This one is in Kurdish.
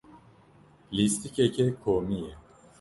Lîstikeke komî ye.